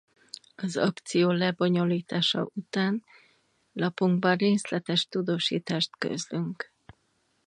Az akció lebonyolítása után lapunkban részletes tudósítást közlünk.